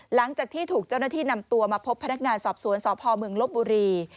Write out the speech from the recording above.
หลังจากที่ถูกเจ้าหน้าที่นำตัวมาพบพนักงานสอบสวนสพเมืองลบบุรี